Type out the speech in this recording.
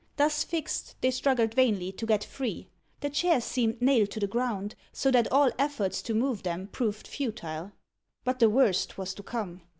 Thus fixed, they struggled vainly to get free. The chairs seemed nailed to the ground, so that all efforts to move them proved futile. But the worst was to come.